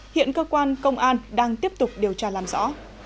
hiện cơ quan công an đang tiếp tục điều tra làm rõ